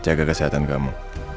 jaga kesehatan kamu